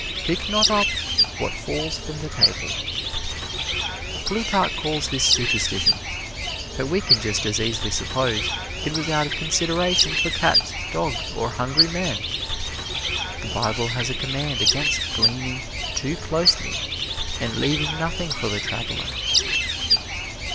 "Pick not up what falls from the table" Plutarch calls this superstition, but we can just as easily suppose it was out of consideration for cats, dogs or hungry men. The Bible has a command against gleaning too closely, and leaving nothing for the traveler.